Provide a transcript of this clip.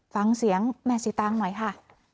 ฟังเสียงแม่สีตางหน่อยค่ะ